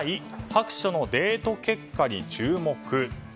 白書のデート結果に注目。